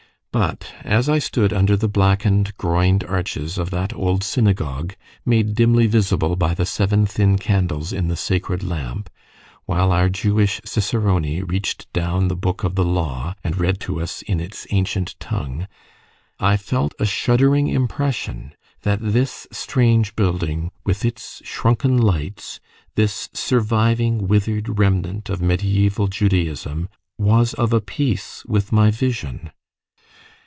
But, as I stood under the blackened, groined arches of that old synagogue, made dimly visible by the seven thin candles in the sacred lamp, while our Jewish cicerone reached down the Book of the Law, and read to us in its ancient tongue I felt a shuddering impression that this strange building, with its shrunken lights, this surviving withered remnant of medieval Judaism, was of a piece with my vision.